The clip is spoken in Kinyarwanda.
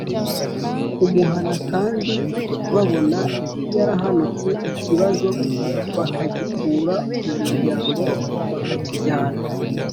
kumuhana kandi babona yarahanutse ikibazo bakagikura mu muryango bakakijyana